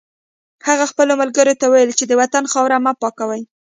هغه خپلو ملګرو ته وویل چې د وطن خاورې مه پاکوئ